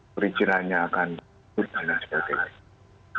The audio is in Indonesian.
perhicinanya akan ditindak seperti ini